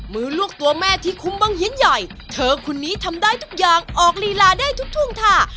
ลูกตัวแม่ที่คุ้มบ้างเฮียนใหญ่เธอคนนี้ทำได้ทุกอย่างออกลีลาได้ทุกทุ่งท่า